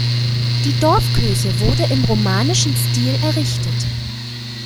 Die Dorfkirche wurde im romanischen Stil errichtet.